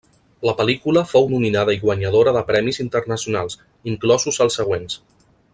La pel·lícula fou nominada i guanyadora de premis internacionals, inclosos els següents.